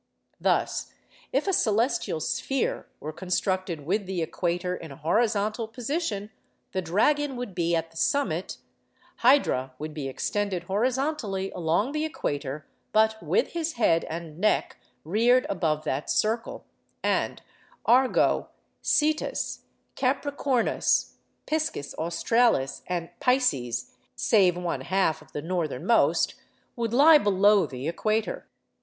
Thus, if a celestial sphere were constructed with the equator in a horizontal position, the Dragon would be at the summit, Hydra would be extended horizontally along the equator—but with his head and neck reared above that circle—and Argo, Cetus, Capricornus, Piscis Australis, and Pisces—save one half of the northernmost—would lie below the equator.